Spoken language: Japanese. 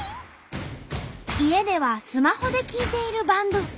家ではスマホで聴いているバンド。